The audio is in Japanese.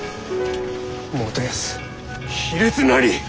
元康卑劣なり！